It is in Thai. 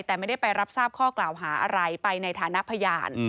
แต่ไม่ได้ไปรับทราบข้อกล่าวหาอะไรไปในฐานะพยาน